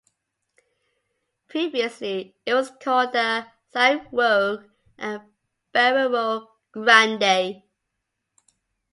Previously, it was called the San Roque and Barrero Grande.